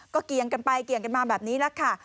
ก็เกี่ยงกันไปเกี่ยงกันมาแบบนี้แหละค่ะ